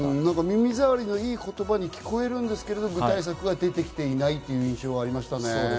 耳障りのいい言葉に聞こえるんですけど、具体策が出てきていないという印象がありましたね。